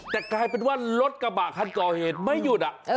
แต่กลายเป็นว่ารถกระบะคันก่อเหตุไม่หยุด